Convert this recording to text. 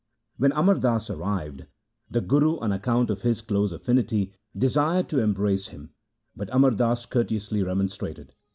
When Amar Das arrived, the Guru, on account of his close affinity, desired to embrace him, but Amar Das courteously remonstrated.